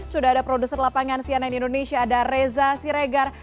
sudah ada produser lapangan cnn indonesia ada reza siregar